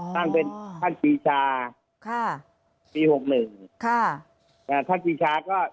อ๋อตั้งเป็นท่านศิษยาค่ะปีหกหนึ่งค่ะอ่าท่านศิษยาก็